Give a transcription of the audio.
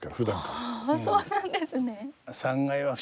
ああそうなんですね。